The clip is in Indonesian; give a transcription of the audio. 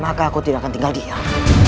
maka aku tidak akan tinggal diam